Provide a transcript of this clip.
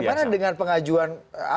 bagaimana dengan pengajuan atau putusan